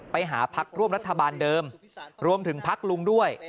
ไปหาพักร่วมรัฐบาลเดิมรวมถึงพักลุงด้วย